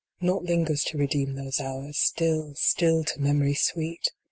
Naught lingers to redeem those hours, Still, still to memory sweet